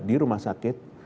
di rumah sakit